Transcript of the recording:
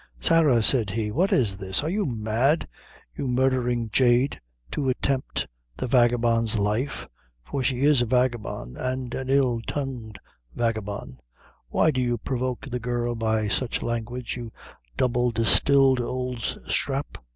"Sarah," said he, "what is this? are you mad, you murdhering jade, to attempt the vagabond's life? for she is a vagabond, and an ill tongued vagabond. Why do you provoke the girl by sich language, you double distilled ould sthrap?